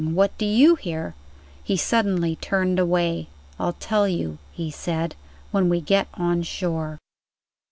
What do you hear?" He suddenly turned away. "I'll tell you," he said, "when we get on shore."